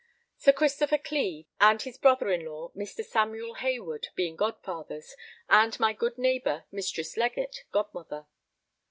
Sir Christopher Cleve and his brother in law, Mr. Samuel Heyward, being godfathers, and my good neighbour, Mistress Legatt, godmother.